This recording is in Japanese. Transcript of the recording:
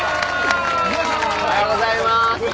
おはようございます